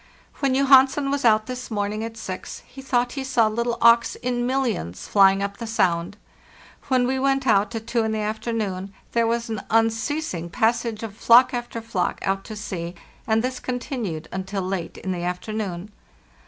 "When Johansen was out this morning at six, he thought he saw little auks in millions flying up the sound. When we went out at two in the afternoon there was an unceasing passage of flock after flock out to sea, and this continued until late in the afternoon.